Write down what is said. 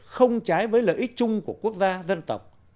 không trái với lợi ích chung của quốc gia dân tộc